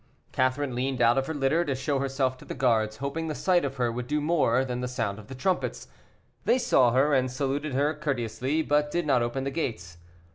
Catherine leaned out of her litter to show herself to the guards, hoping the sight of her would do more than the sound of the trumpets. They saw her, and saluted her courteously, but did not open the gates.